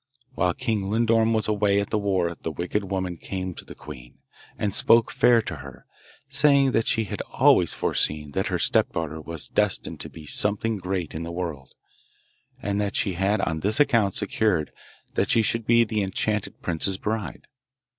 While King Lindorm was away at the war the wicked woman came to the queen, and spoke fair to her, saying that she had always foreseen that her stepdaughter was destined to be something great in the world, and that she had on this account secured that she should be the enchanted prince's bride.